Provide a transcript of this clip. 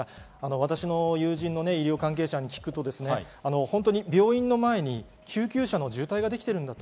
私の友人の医療関係者に聞くと病院の前に救急車の渋滞ができていると。